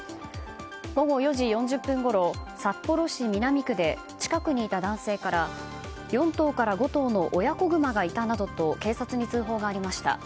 午後４時４０分ごろ札幌市南区で近くにいた男性から４頭から５頭の親子グマがいたなどと警察に通報がありました。